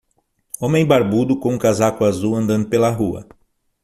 Homem barbudo com um casaco azul andando pela rua.